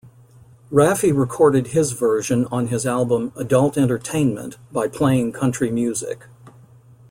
Raffi recorded his version on his album "Adult Entertainment" by playing country music.